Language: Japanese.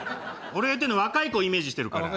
俺が言ってるのは若い子イメージしてるから。